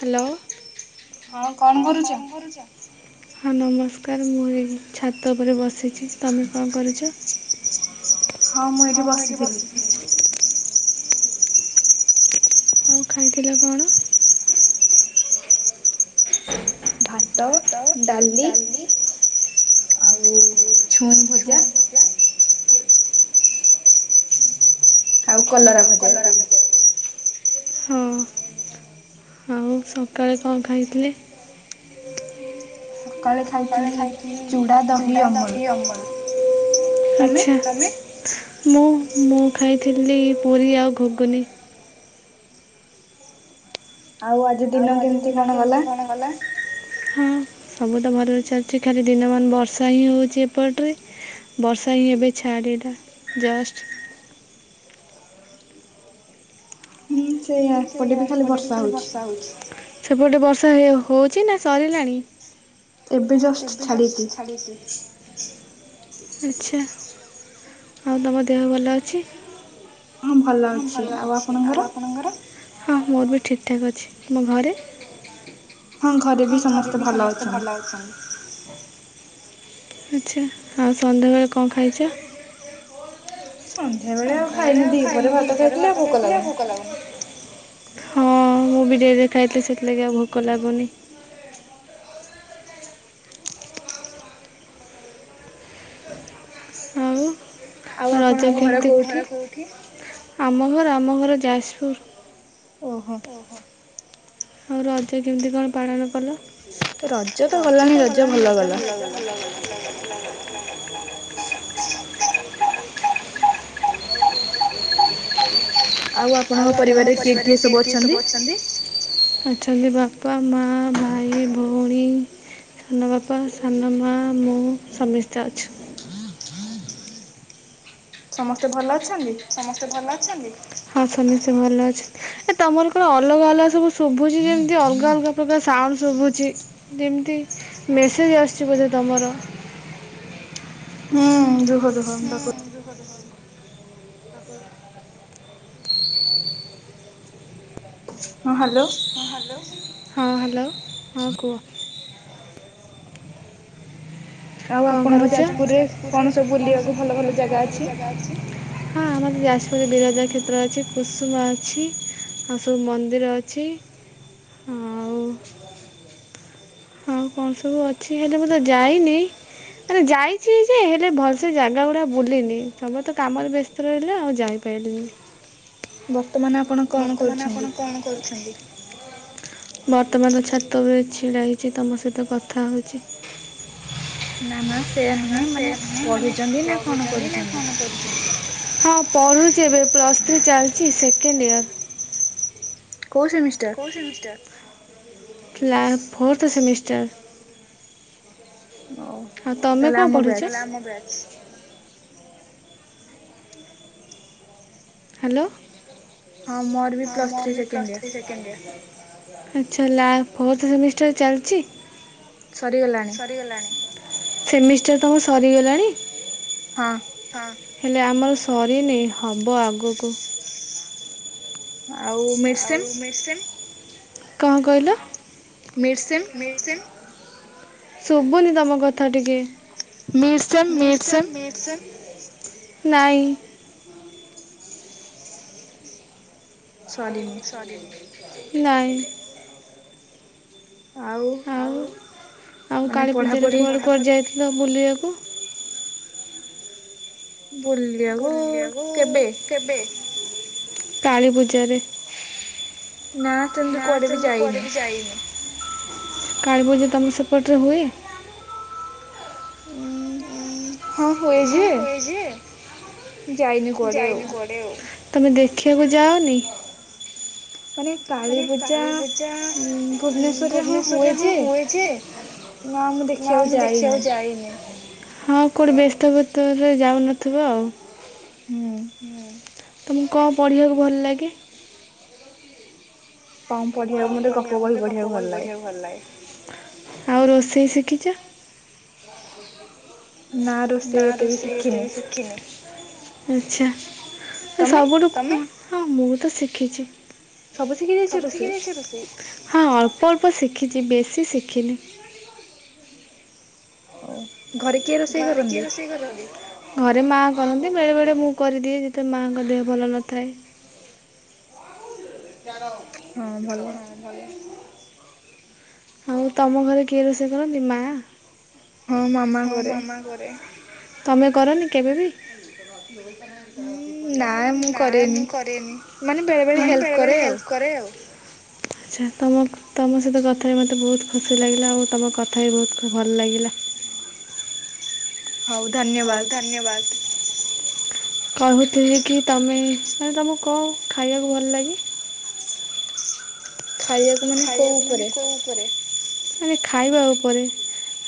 Hello ହିଁ କଣ କରୁଚ ହଁ ନମସ୍କାର। ନମସ୍କାର ମୁଁ ଏଇ ଛାତ ଉପରେ ବସିଛି ତମେ କଣ କରୁଛ? ହଁ ମୁଁ ଏଇଠି ବସିଥିଲି। ଆଉ ଖାଇଥିଲ କଣ? [inaudible] ଭାତ ଡାଲି ଆଉ ଛୁଇଁ ଭଜା ଆଉ ଆଉ କଲରା ଭଜା ଏତିକି। ହଁ ଆଉ ସକାଳେ କଣ ଖାଇଥିଲେ? ସକାଳେ ଖାଇଥିଲି ଚୂଡ଼ା ଦହି ଅମୁଲ। ଆଛା ତମେ? ମୁଁ ମୁଁ ଖାଇଥିଲି ପୁରୀ ଆଉ ଘୁଗୁନି। ଆଉ ଆଜି ଦିନ କେମିତି କଣ ଗଲା? ହଁ ସବୁ ତ ଭଲରେ ଚାଲିୁଛି ଖାଲି ଦିନମାନ ବର୍ଷା ହିଁ ହଉଛି ଏପଟରେ। ବର୍ଷା ହିଁ ଏବେ ଛାଡିଲା ଜଷ୍ଟ। ସେଆ ଏପଟେବି ଖାଲି ବର୍ଷା ହଉଛି। ସେପଟେ ବର୍ଷା ହେ ହଉଛି ନା ସରିଲାଣି? ଏବେ ଜଷ୍ଟ ଛାଡିଛି ଆଛା। ଆଉ ତମ ଦେହ ଭଲ ଅଛି? ହଁ ଭଲ ଅଛି ଆଉ ଆପଣଙ୍କର? ହଁ ମୋର ବି ଠିକ୍ ଠାକ୍ ଅଛି ତୁମ ଘରେ? ହଁ ଘରେ ବି ସମସ୍ତେ ଭଲ ଅଛନ୍ତି। ଆଛା ଆଉ ସନ୍ଧ୍ୟାବେଳେ କଣ ଖାଇଛ? ସନ୍ଧ୍ୟାବେଳେ ଆଉ ଖାଇନି ଦିଇପହରେ ଭାତ ଖାଇଥିଲି ଆଉ ଭୋକ ଲାଗୁନି। ହଁ ମୁଁ ବି ଡେରି ଦେ ଖାଇଥିଲି ସେଥିଲାଗି ଆଉ ଭୋକ ଲାଗୁନି। ଆଉ ରଜ କେମିତି ଆଉ ଆପଣଙ୍କ ଘର କଉଠି? ଆମ ଘର ଆମ ଘର ଯାଜପୁର। ଓହୋ। ଆଉ ରଜ କେମିତି କଣ ପାଳନ କଲ? ରଜ ତ ଗଲାଣି ରଜ ଭଲ ଗଲା। ଆଉ ଆପଣଙ୍କ ପରିବାରରେ କିଏ କିଏ ସବୁ ଅଛନ୍ତି? ଅଛନ୍ତି ବାପା, ମା, ଭାଇ, ଭଉଣୀ ସାନ ବାପା ସାନ ମା ମୁଁ ସମସ୍ତେ ଅଛୁ। ସମସ୍ତେ ଭଲ ଅ ସମସ୍ତେ ଭଲ ଅଛନ୍ତି? ହଁ ସମସ୍ତେ ଭଲ ଅଛାନ୍ତି ଏ ତମର କଣ ଅଲଗା ଅଲଗା ସବୁ ଶୁଭୁଛି ଯେମିତି ଅଲଗା ଅଲଗା ପ୍ରକାର ସାଉଣ୍ଡ ଶୁଭୁଛି ଯେମିତି ମେସେଯେ ଆସୁଛି ବୋଧେ ତମର? ହୁଁ [unintelligible] [unintelligible] ହଁ ହାଲୋ। ହଁ ହାଲୋ ହଁ କୁହ? କଣ କରୁଛ ଆଉ ଆପଣଙ୍କ ଯାଜପୁରରେ କଣ ସବୁ ବୁଲିବାକୁ ଭଲ ଭଲ ଜାଗାଅଛି ହଁ ଭ ଯାଜପୁରରେ ବିରଜା କ୍ଷେତ୍ର ଅଛି କୁସୁମ ଅଛି ଆଉ ସବୁ ମନ୍ଦିର ଅଛି। ଆଉ ଆଉ କଣ ସବୁ ଅଛି ହେଲେ ମୁଁ ତ ଯାଇନି? ମାନେ ଯାଇଛି ଯେ ହେଲେ ଭଲସେ ଜାଗା ଗୁଡା ବୁଲିନି ସମସ୍ତେ କାମରେ ବ୍ୟସ୍ତ ରହିଲେ ଆଉ ଯାଇ ପାଇଲିନି। ବ ବର୍ତ୍ତମାନ ଆପଣ କଣ କରୁଛନ୍ତି? ବର୍ତ୍ତମାନ ଛାତ ଉପରେ ଛିଡ଼ା ହେଇଛି ତମ ସହିତ କଥା ହଉଛି। ନାମା ନାମା ସେୟା ନୁହେଁ ମନେ ପଢୁଛନ୍ତି ନା କଣ କରିଛନ୍ତି ହିଁ ପଢ଼ୁଛି ଏବେ ପ୍ଲସ୍ ଥ୍ରୀ ଚାଲିଛି ସେକେଣ୍ଡ ଇୟର୍। କୋଉ ସେମିଷ୍ଟାର? ଥିଲା ଫୋର୍ଥ ସେମିଷ୍ଟାର। ହଁ ତମେ କଣ ପଢୁଛ? ନା ମୁଁ ଗ୍ରାଜୁଏସନ୍। ହାଲୋ ହଁ ମୋର ବି ପ୍ଲସ ଥ୍ରୀ ସେକେଣ୍ଡ ଇଅର। ଆଚ୍ଛା ଲା ଫୋର୍ଥ ସେମିଷ୍ଟାର ଚାଲିଚି? ସରିଗଲାଣି ସେମିଷ୍ଟାର ତମର ସରିଗଲାଣି। ହେଲେ ଆମର ସରିନି ହବ ଆଗକୁ। ଆଉ ମେଡ଼ିସିନ୍ କଣ କହିଲ? ମେଡ଼ିସିନ୍। ଶୁଭୁନି ତମ କଥା ଟିକେ। ନାଇଁ। ସରିନି। ନାଇଁ। ଆଉ ଆଉ କାଳୀ ପୂଜାରେ କୁଆଡେ କୁଆଡେ ଯାଇ ଯାଇଥିଲ ବୁଲିବାକୁ? ବୁଲିବାକୁ କେବେ କାଳୀ ପୂଜାରେ। ନାଁ ସେମିତି କୁଆଡେ ଭି ଯାଇନି। କାଳୀପୂଜା ତମ ସେପଟରେ ହୁଏ? ହଁ ହୋଇ ହୁଏ ଯେ ଯାଇନି କୁଆଡେ ଆଉ? ତୁମେ ଦେଖିବାକୁ ଯାଅନି? ମାନେ ମାନେ କାଳୀ ପୂଜା ଉ ଭୁବନେଶ୍ଵର ରେ ହଁ ହୁଏ ଯେ ନା ମୁଁ ଦେଖିବାକୁ ଯାଇନି। ହଁ କୋଉଠି ବ୍ୟସ୍ତ ଭିତରେ ଯାଉନଥିବ ଆଉ। ତମକୁ କଣ ପଢ଼ିବାକୁ ଭଲ ଲାଗେ? କଣ ପଢିବାକୁ ମୋତେ ଗପ ବହି ପଢିବାକୁ ଭଲ ଲାଗେ। ଆଉ ରୋଷେଇ ଶିଖିଛ? ନା ରୋଷେଇ ଏତେ ବି ଶିଖିନି। ଆଚ୍ଛା ସବୁଠୁ କ ହଁ ମୁଁ ତ ଶିଖିଛି। ସବୁ ସିଖିଯାଇଚ ରୋଷେଇ ହଁ ଅଳ୍ପ। ଅଳ୍ପ ଅଳ୍ପ ଶିଖିଛି ବେଶୀ ଶିଖିନି। ଓ ଘରେ କିଏ ରୋଷେଇ କରନ୍ତି? ଘରେ ମାଆ କରନ୍ତି ବେଳେବେଳେ ମୁଁ କରିଦିଏ ଯେତେବେଳେ ମାଆଙ୍କ ଦେହ ଭଲ ନଥାଏ। [unintelligible] ହଁ ଭଲ। ଆଉ ତମ ଘରେ କିଏ ରୋଷେଇ କରନ୍ତି ମା ମୋ ମାମା କରେ। ତମେ କରନି କେବେବି। ନା ମୁଁ କରେନି। ମାନେ ବେଳେ ବେଳେ ହେଲ୍ପ କରେ ଆଉ ଆଚ୍ଛା ତମ ତମ ସହିତ କଥା ସତରେ ମୋତେ ବହୁତ ଖୁସି ଲାଗିଲା ଆଉ ତମ କଥା ବି ବହୁତ ଭଲ ଲାଗିଲା। ହଉ ଧନ୍ୟବାଦ। କହୁଥିଲି କି ତମେ ମାନେ ତମକୁ କଣ ଖାଇବାକୁ ଭଲ ଲାଗେ? ଖାଇବାକୁ ମାନେ କୋଉ ଉପରେ? ମାନେ ଖାଇବା ଉପରେ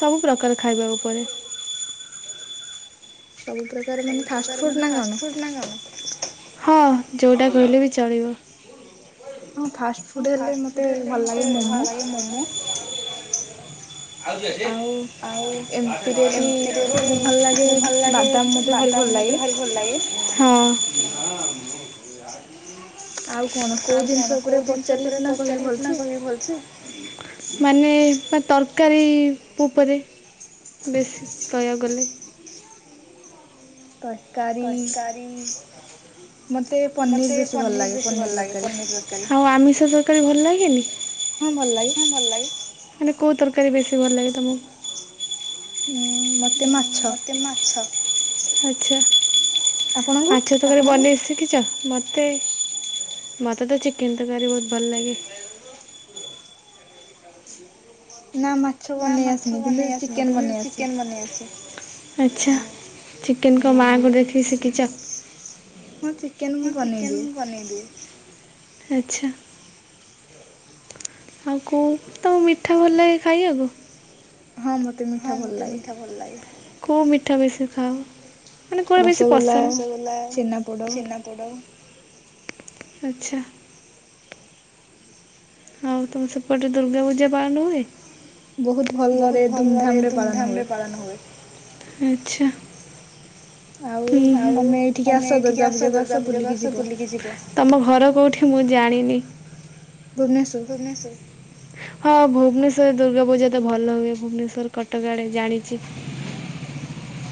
ସବୁ ପ୍ରକାର ଖାଇବା ଉପରେ। ସବୁ ପ୍ରକାର ମାନେ ଫାଷ୍ଟ ଫୁଡ ନା କଣ? ହଁ ଯଉଟା କହିଲେ ବି ଚଳିବ। ହଁ ଫାଷ୍ଟ ଫୁଡ ହେଲେ ମତେ ଭଲ ଲାଗେ ମୋମୋ। ଆଉ ଏମିତିରେ ବି ଭଲ ଲାଗେ ବାଦାମ ମତେ ଭାରି ଭଲ ଲାଗେ। ଆଉ କଣ କୋଉ ଜିନିଷ ଉପରେ ପଚାରିଲେ ସିନା କହିବି ଭଲସେ। ମାନେ ବା ତରକାରୀ ଉପରେ। ବେଶୀ କହିବାକୁ ଗଲେ। ତରକାରୀ। ମତେ ପନିର ବେଶୀ ଭଲ ପନିର ତରକାରି। ହଁ ଭଲ ଲାଗେ। ମାନେ କଉ ତରକାରୀ ବେଶୀ ଭଲ ଲାଗେ ତମକୁ? ହୁଁ ମୋତେ ମା ମୋତେ ମାଛ। ଦେଖିଛ ମୋତେ। ମତେ ତ ଚିକେନ ତରକାରୀ ବହୁତ ଭଲ ଲାଗେ। ନା ମାଛ ବନେଇ ଆସେନି କିନ୍ତୁ ଚିକେନ ବନେଇ ଆସେ। ଆଚ୍ଛା ଚିକେନ କଣ ମାଆଙ୍କୁ ଦେଖିକି ଶିଖିଛ? ଚିକେନ୍ ମୁଁ ବନେଇଦିଏ। ଆଉ କୋଉ ତମକୁ ମିଠା ଭଲ ଲାଗେ ଖାଇବାକୁ? ହଁ ମୋତେ ମିଠା ଭଲ ଲାଗେ। ରସଗୋଲା ଛେନାପୋଡ। ଆଚ୍ଛା। ଆଉ ତମ ସେପଟେ ଦୁର୍ଗା ପୂଜା ପାଳନ ହୁଏ? ବହୁତ ଭଲରେ ଧୁମଧାମରେ ପାଳନ ହୁଏ। ଆଚ୍ଛା। ଆଉ ତମେ ଏଇଠିକି ଆସ ଦୁର୍ଗା ପୂଜାକୁ ଆସ ବୁଲିକି ଯିବ। ଜାଣିନି। ହଁ ଭୁବନେଶ୍ଵର ଦୁର୍ଗା ପୂଜା ତ ଭଲ ହୁଏ ଭୁବନେଶ୍ୱର, କଟକ ଆଡେ ଜାଣିଛି। [inaudible]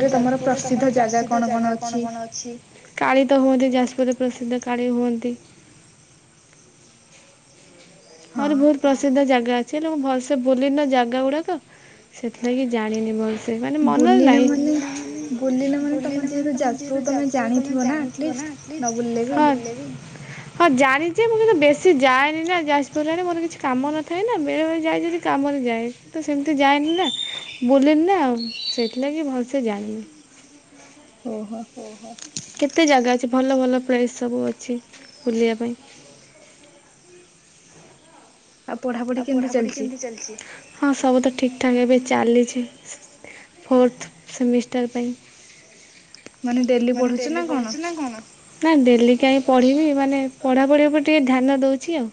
ଆଉ ଯାଜପୁରରେ ତମର ପ୍ରସିଦ୍ଧ ଜାଗା କଣ କଣ ଅଛି? କାଳି ତ ହୁଅନ୍ତି ଯାଜପୁରରେ ପ୍ରସିଦ୍ଧ କାଳି ହୁଅନ୍ତି। ଆହୁରି ବହୁତ ପ୍ରସିଦ୍ଧ ଜାଗା ଅଛି ହେଲେ ମୁଁ ଭଲସେ ବୁଲିନ ନା ଜାଗା ଗୁଡାକ ସେଥିଲାଗି ଜାଣିନି ଭଲ ଏ ମାନେ ମନରେ ନାହିଁ। ବୁଲିନ ମାନେ ତମର ଯେହେତୁ ଯାଜପୁର ତମେ ଜାଣିଥିବ ନା ଆଟଲିଶ୍ଟ ଯାହା ହେଲେ ବି। ହଁ ଜାଣିିଛି ମୁଁ କିନ୍ତୁ ବେଶୀ ଜାଏନି ନା ଜା ପୁର ଆଡ଼େ ମୋର କିଛି କାମ ନଥାଏ ନା ବେଳେ ବେଳେ ଯାଏ ଯଦି କାମରେ ଯାଏ ତ ସେମିତି ଯାଏନି ନା ବୁଲେ ଏନା ସେଇଥିଲାଗି ଭଲସେ ଜାଣିନି। କେତେ ଜାଗା ଅଛି ଭଲ ଭଲ ପ୍ଲେସ ସବୁ ଅଛି ବୁଲିବା ପାଇଁ। ଆଉ ପଢାପଢି କେମିତି ଚାଲିଛି? ଫୋର୍ଥ ସେମିଷ୍ଟାର ପାଇଁ। ନା ଡେଲି କାଇଁ ପଢିବି ମାନେ ପଢାପଢି ଉପରେ ଟିକେ ଧ୍ୟାନ ଦଉଛି ଆଉ।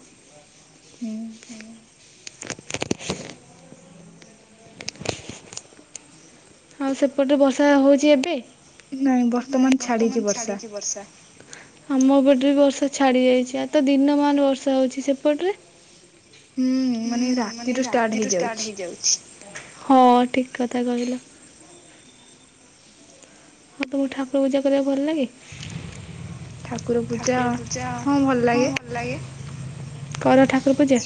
ଆଉ ସେପଟେ ବର୍ଷା ହଉଛି ଏବେ? ଆମ ପଟରେ ବର୍ଷା ଛାଡି ଯାଇଛି ଆଉ ତ ଦିନମାନ ବର୍ଷା ହଉଛି ସେପଟରେ। ହୁଁ ମାନେ ରାତିରୁ ଷ୍ଟାର୍ଟ ହେଇଯାଉଛି। ହଁ ଠିକ କଥା କହିଲ। ହଉ ତମକୁ ଠାକୁର ପୂଜା କରିବାକୁ ଭଲ ଲାଗେ। ଠାକୁର ପୂଜା ହଁ ଭଲ ଲାଗେ କର ଠାକୁର ପୂଜା?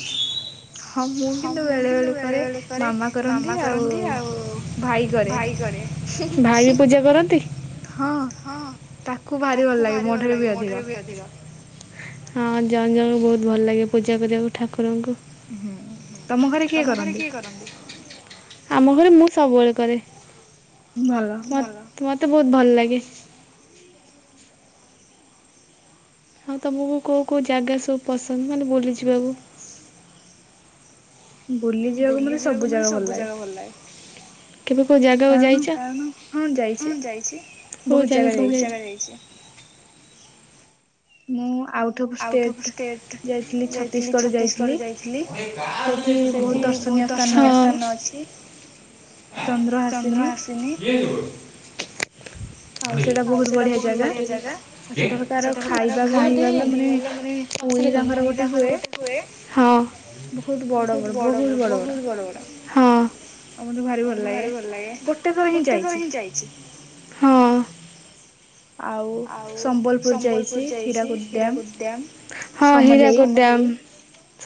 ହଁ ମୁଁ କିନ୍ତୁ ବେଳେ ବେଳେ କରେ ମାମା କରନ୍ତି ଆଉ ଭାଇ କରେ। ଭାଇି ବି ପୂଜା କରନ୍ତି? ହଁ। ହଁ ତାକୁ ଭାରି ଭଲ ଲାଗେ ମୋ ଠାରୁ ବି ଅଧିକ। ହଁ ଜଣ ଜଣଙ୍କୁ ବହୁତ ଭଲ ଲାଗେ ପୂଜା କରିବାକୁ ଠାକୁରଙ୍କୁ। ହଁ ତମ ଘରେ କିଏ କରନ୍ତି? ଆମ ଘରେ ମୁଁ ସବୁବେଳେ କରେ ମତେ ବହୁତ ଭଲ ଲାଗେ। ଆଉ ତମକୁ କୋଉ କୋଉ ଜାଗା ସବୁ ପସନ୍ଦ ମାନେ ବୁଲି ଯିବାକୁ? ବୁଲି ଯିବାକୁ ମତେ ସବୁ ଜାଗା ଭଲ ଲାଗେ। କେବେ କୋଉ ଜାଗା ଯାଇଛ? କୋଉ ଜାଗାକୁ ଯାଇଚ? ମୁଁ ଆଉଟ୍ ଅଫ୍ ଷ୍ଟେଟ ଯାଇଥିଲି ଛତିଶଗଡ଼ ଯାଇଥିଲି। ସେଠି ବହୁତ ଦର୍ଶନୀୟ ସ୍ଥାନ ଅଛି। ଚନ୍ଦ୍ର ହାସିନୀ। ଆଉ ସେଇଟା ବହୁତ ବଢିଆ ଜାଗା ସେଟା [unintelligible] [unintelligible] ତାଙ୍କର ଗୋଟେ ହୁଏ ବହୁତ ବଡ ବଡ଼ ବହୁତ ବଡ ବଡ଼। ହଁ ଆ ମତେ ଭାରି ଭଲ ଲାଗେ ଗୋଟେ ଥର ହିଁ ଯାଇଛି ହଁ। ଆଉ ସମ୍ବଲପୁର ଯାଇଛି ହୀରାକୁଟ ଡ୍ୟାମ [unintelligible]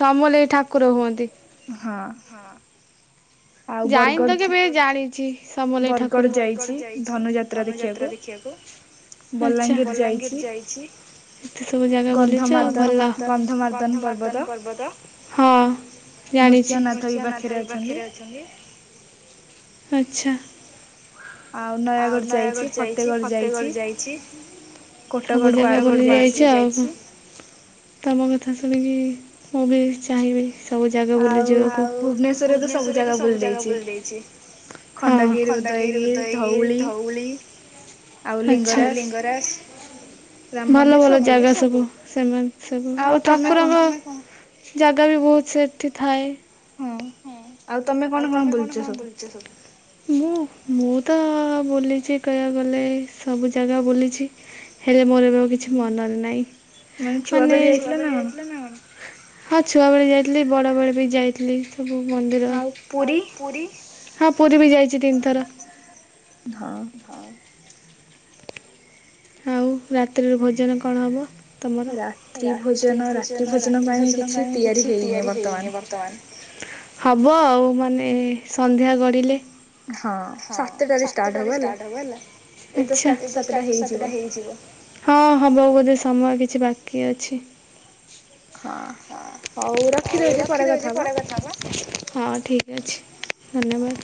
ସମଲେଇ ଠାକୁର ହୁଅନ୍ତି। ଯାଇନି ତ କେବେ ଜାଣିଛି ସମଲେଇ ଠାକୁର। କୁ ବଲାଙ୍ଗୀର ଯାଇଛି। ଏତେ ସବୁ ଜାଗା ବୁଲିଛ ଭଲ ହଁ। ନୃଶିହନାଥ ବି ପାଖରେ ଅ ଆଚ୍ଛା। ଆଉ ନୟାଗଡ଼ ଯାଇଛି ଫତେଗଡ ଯାଇଛି। ସବୁ ଜାଗା ବୁଲି ଯାଇଛ ଆଉ କଣ ତମ କଥା ଶୁଣିକି ମୁଁ ବି ଚାହିଁବି। ସବୁ ଜାଗା ବୁଲି ଯିବାକୁ ସବୁ ଜାଗା ବୁଲି ଦେଇଛି ଖଣ୍ଡଗିରି ଉଦୟଗିରି ଧଉଳି। ଆଉ ଲିଙ୍ଗରାଜ। ଭଲ ଭଲ ଜାଗା ସବୁ ସେମାନେ ସବୁ ଆଉ ଠାକୁରଙ୍କ ଜାଗା ବି ବହୁତ ସେଠି ଥାଏ। ହଁ ଆଉ ତମେ କଣ କଣ ବୁଲୁଛ ସବୁ? ମୁଁ ମୁଁ ତ ବୁଲିଛି କହିବାକୁ ଗଲେ ସବୁ ଜାଗା ବୁଲିଛି। ହେଲେ ମୋର ଏବେ ଆଉ କିଛି ମନରେ ନାହିଁ ମାନେ ହଁ ଛୁଆବେଳେ ଯାଇଥିଲି ବଡ଼ବେଳେ ବି ଯାଇଥିଲି। ସବୁ ମନ୍ଦିର ହଁ ପୁରୀ ବି ଯାଇଛି ତିନିଥର। ଆଉ ଆଉ ରାତ୍ରିର ଭୋଜନ କଣ ହବ? ରାତ୍ରି ଭୋଜନ ରାତ୍ରି ଭୋଜନ ପାଇଁ ମୁଁ କିଛି ତିଆରି ହେଇନି ବର୍ତ୍ତମାନ ହବ ଆଉ ମାନେ ସନ୍ଧ୍ୟା ଗଡ଼ିଲେ। ହଁ ସାତଟାରେ ଷ୍ଟାର୍ଟ ହବ ହେଲା ଏଵେ ତ ଷ୍ଟା ସାତଟା ହେଇଯିବ ହଁ ହବ ବୋଧେ ସମୟ କିଛି ବାକି ଅଛି। ହଁ ହଉ ରଖିଦଉଛି ପରେ କଥା ହବା। ଧନ୍ୟବାଦ।